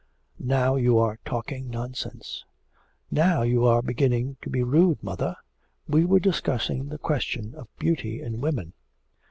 'Now you are talking nonsense.' 'Now you are beginning to be rude, mother. ... We were discussing the question of beauty in women.'